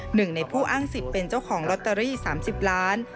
หนึ่งในผู้อ้างสิทธิ์เป็นเจ้าของลอตเตอรี่๓๐ล้าน